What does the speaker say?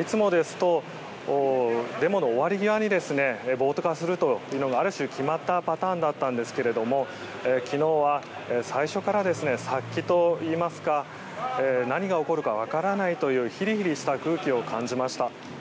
いつもですと、デモの終わり際に暴徒化するというある種決まったパターンでしたが昨日は最初から殺気といいますか何が起こるか分からないというひりひりした空気を感じました。